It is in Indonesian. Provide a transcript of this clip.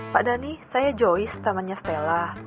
pak dhani saya joyce namanya stella